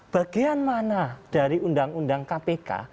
bagian mana dari undang undang kpk